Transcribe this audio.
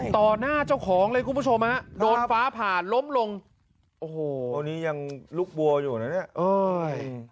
หน้าเจ้าของเลยคุณผู้ชมฮะโดนฟ้าผ่าล้มลงโอ้โหนี่ยังลูกบัวอยู่นะเนี่ยเอ้ย